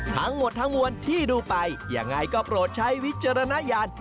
ทั้งหมดทั้งมวลที่ดูไปยังไงก็โปรดใช้วิจารณญาณ